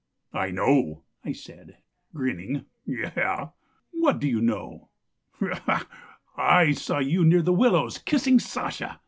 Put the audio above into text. "'I know,' I said, grinning. 'Gy y.' "'What do you know?' "'Gy y! I saw you near the willows kissing Sasha.